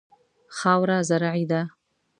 خاوره زرعي ده.